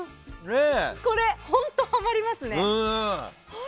これ本当にはまりますね。